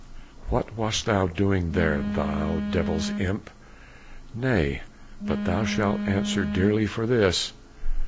"What wast thou doing there, thou devil's imp? Nay, but thou shalt answer dearly for this."